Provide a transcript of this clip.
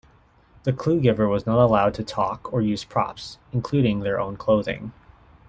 The clue-giver was not allowed to talk or use props, including their own clothing.